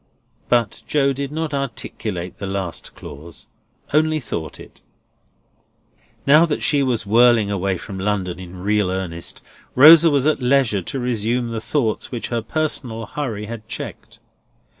But Joe did not articulate the last clause; only thought it. Now that she was whirling away for London in real earnest, Rosa was at leisure to resume the thoughts which her personal hurry had checked.